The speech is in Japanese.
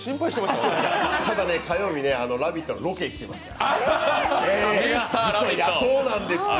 ただね火曜日、「ラヴィット！」のロケに行ってますから。